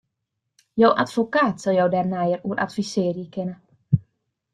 Jo advokaat sil jo dêr neier oer advisearje kinne.